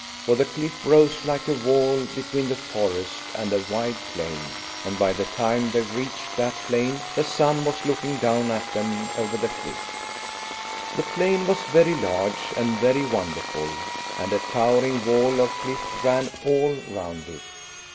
For the cliff rose like a wall between the forest and a wide plain, and by the time they reached that plain the sun was looking down at them over the cliff. The plain was very large and very wonderful, and a towering wall of cliff ran all round it.